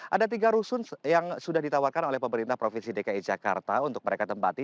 ada tiga rusun yang sudah ditawarkan oleh pemerintah provinsi dki jakarta untuk mereka tempati